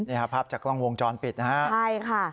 นี่ครับภาพจากกล้องวงจรปิดนะครับ